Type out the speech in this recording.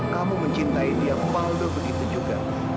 kamu mencintai dia paldo begitu juga